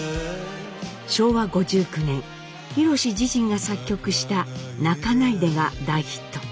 昭和５９年ひろし自身が作曲した「泣かないで」が大ヒット。